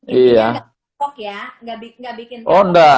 jadi yang tepuk ya nggak bikin bangunan